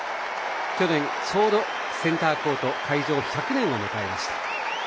去年ちょうどセンターコート開場１００年を迎えました。